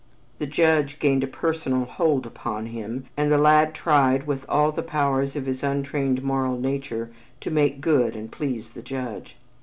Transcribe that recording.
The judge gained a personal hold upon him, and the lad tried with all the powers of his untrained moral nature to "make good and please the judge."